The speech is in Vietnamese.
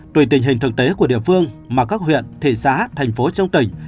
tùy tình hình thực tế của địa phương mà các huyện thị xã thành phố trong tỉnh